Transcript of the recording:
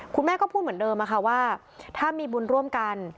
คุณแม่ก็พูดเหมือนเดิมค่ะว่าถ้ามีบุญร่วมกัน